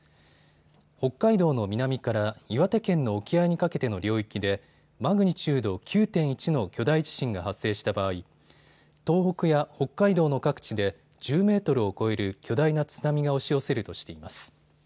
北海道の南から岩手県の沖合にかけての領域でマグニチュード９．１の巨大地震が発生した場合、東北や北海道の各地で１０メートルを超える巨大な津波が押し寄せるとしています。